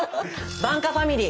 番家ファミリー。